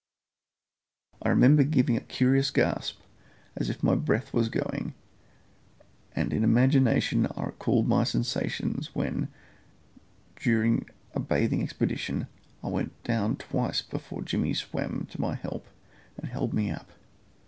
I remember giving a curious gasp as if my breath was going, and in imagination I recalled my sensations when, during a bathing expedition, I went down twice before Jimmy swam to my help and held me up.